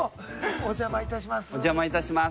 お邪魔いたします。